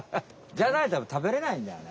じゃないとたぶん食べれないんだよね。